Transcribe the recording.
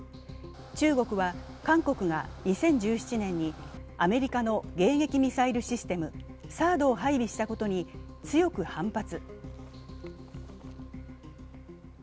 中国は、韓国が２０１７年にアメリカの迎撃ミサイルシステム、ＴＨＡＡＤを配備したことに強く反発。